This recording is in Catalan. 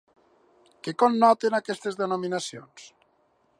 Què connoten aquestes denominacions?